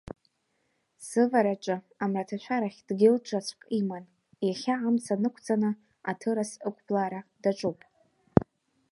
Сывараҿы, амраҭашәарахь дгьыл ҿацәк иман, иахьа амца нықәҵаны аҭырас ықәблаара даҿуп.